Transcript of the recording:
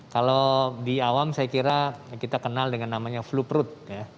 kalau di awam saya kira kita kenal dengan namanya flu perut